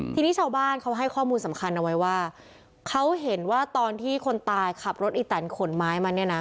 ทีนี้ชาวบ้านเขาให้ข้อมูลสำคัญเอาไว้ว่าเขาเห็นว่าตอนที่คนตายขับรถอีแตนขนไม้มาเนี่ยนะ